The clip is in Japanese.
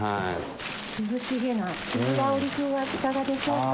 涼しげなしじら織り風はいかがでしょうか？